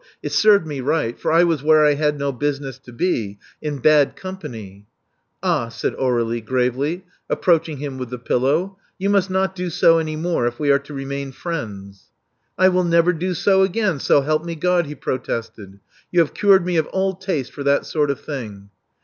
It served me right ; for I was where I had no business to be — in bad company." Ah," said Aur^lie gravely, approaching him with the pillow. You must not do so any more, if we are to remain friends." I will never do so again, so help me God!" he pro tested. You have cured me of all taste for that sort of thing."